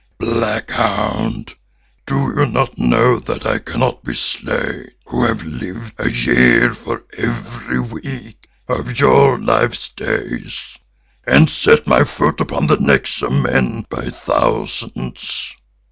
Black hound, do you not know that I cannot be slain who have lived a year for every week of your life's days, and set my foot upon the necks of men by thousands.